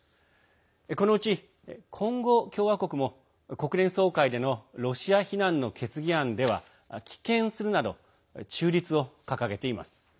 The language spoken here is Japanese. このうち、コンゴ共和国も国連総会でのロシア非難の決議案では棄権するなど中立を掲げています。